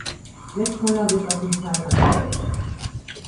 Jack Fuller wird auf den Fall angesetzt.